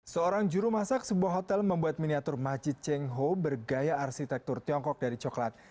seorang juru masak sebuah hotel membuat miniatur majid cheng ho bergaya arsitektur tiongkok dari coklat